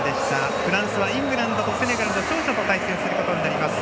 フランスはイングランドとセネガルの勝者と対戦します。